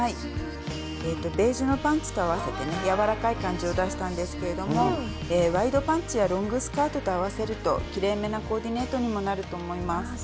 ベージュのパンツと合わせてね柔らかい感じを出したんですけれどもワイドパンツやロングスカートと合わせるときれいめなコーディネートにもなると思います。